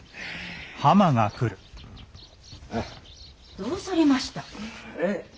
どうされました？え？